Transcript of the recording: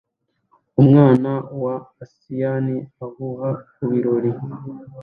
Umwana wa asiyani uhuha kubirori